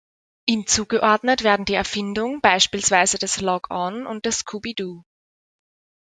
Ihm zugeordnet werden die Erfindung beispielsweise des Log On und des Scooby Doo.